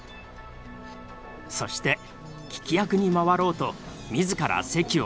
そして聞き役に回ろうと自ら席を移動した。